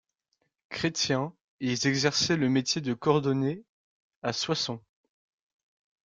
Chrétiens, ils exerçaient le métier de cordonniers à Soissons.